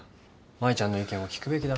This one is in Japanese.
舞ちゃんの意見を聞くべきだろ。